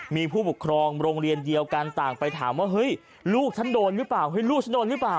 มีผู้ปกครองโรงเรียนเดียวกันต่างไปถามว่าเฮ้ยลูกฉันโดนหรือเปล่าเฮ้ยลูกฉันโดนหรือเปล่า